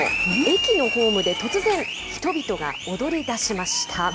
駅のホームで突然、人々が踊りだしました。